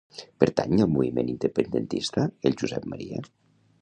Pertany al moviment independentista el Josep Maria?